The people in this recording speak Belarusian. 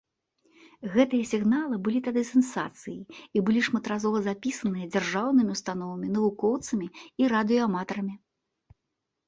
Гэтыя сігналы былі тады сенсацыяй, і былі шматразова запісаныя дзяржаўнымі ўстановамі, навукоўцамі і радыёаматарамі.